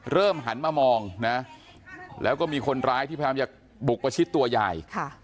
หันมามองนะแล้วก็มีคนร้ายที่พยายามจะบุกประชิดตัวยาย